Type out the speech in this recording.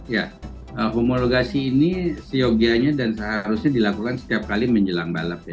ya homologasi ini siogyanya dan seharusnya dilakukan setiap kali menjelang balap ya